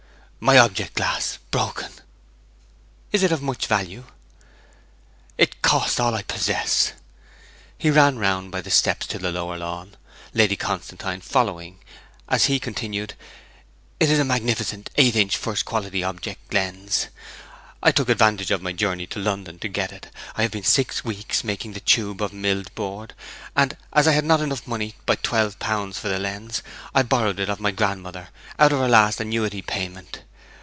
'My object glass broken!' 'Is it of much value?' 'It cost all I possess!' He ran round by the steps to the lower lawn, Lady Constantine following, as he continued, 'It is a magnificent eight inch first quality object lens! I took advantage of my journey to London to get it! I have been six weeks making the tube of milled board; and as I had not enough money by twelve pounds for the lens, I borrowed it of my grandmother out of her last annuity payment.